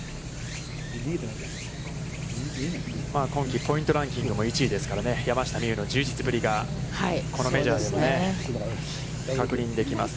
今季ポイントランキングも１位ですからね、山下美夢有の充実ぶりがこのメジャーで確認できます。